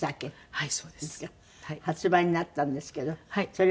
はい。